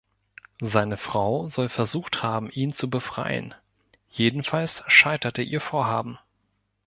Seine Frau soll versucht haben, ihn zu befreien, jedenfalls scheiterte ihr Vorhaben.